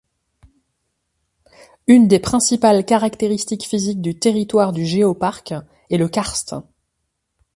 Une des principales caractéristiques physiques du territoire du Géoparc est le karst.